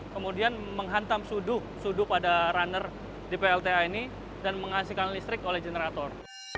kemudian menghantam sudu pada runner di plta ini dan menghasilkan listrik oleh generator